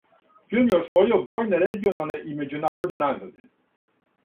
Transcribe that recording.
Филм је освојио бројне регионалне и међународне награде.